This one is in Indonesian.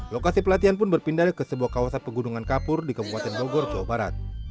lokasi pelatihan pun berpindah ke sebuah kawasan pegunungan kapur di kabupaten bogor jawa barat